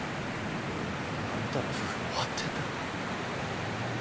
あんたら夫婦終わってんな。